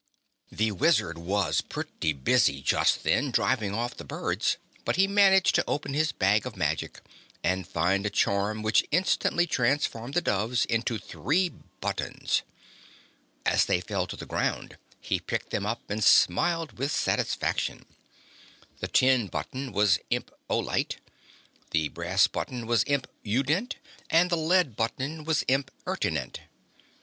The Wizard was pretty busy, just then, driving off the birds, but he managed to open his bag of magic and find a charm which instantly transformed the doves into three buttons. As they fell to the ground he picked them up and smiled with satisfaction. The tin button was Imp Olite, the brass button was Imp Udent and the lead button was Imp Ertinent.